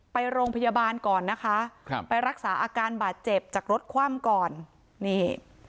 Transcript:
ไปโรงพยาบาลก่อนนะคะครับไปรักษาอาการบาดเจ็บจากรถคว่ำก่อนนี่